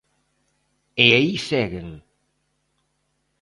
E aí seguen.